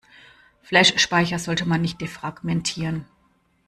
Flashspeicher sollte man nicht defragmentieren.